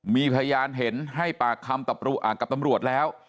มีพยานเห็นให้ปากคำกับตำรวจแล้ว